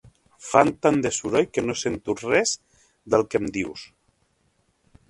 Fan tant de soroll que no sento res del que em dius.